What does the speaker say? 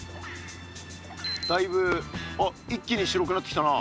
だいぶ一気に白くなってきたな。